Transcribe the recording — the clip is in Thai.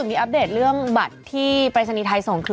ก็คืออ่านไม่ออก